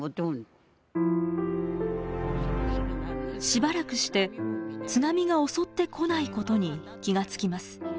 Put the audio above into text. しばらくして津波が襲ってこないことに気が付きます。